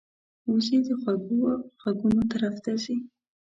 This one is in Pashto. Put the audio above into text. وزې د خوږو غږونو طرف ته ځي